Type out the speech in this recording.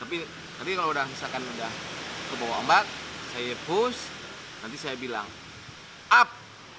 tapi nanti kalau sudah ke bawah ombak saya push nanti saya bilang up